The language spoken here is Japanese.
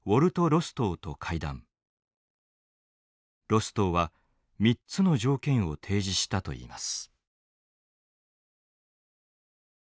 ロストウは３つの条件を提示したといいます。